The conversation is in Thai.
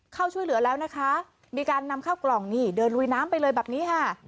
เข้าช่วยเหลือแล้วนะคะมีการนำเข้ากล่องนี่เดินลุยน้ำไปเลยแบบนี้ค่ะ